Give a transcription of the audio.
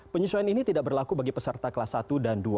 penyesuaian ini tidak berlaku bagi peserta kelas satu dan dua